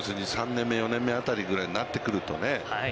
３年目、４年目あたりぐらいになってくるとね。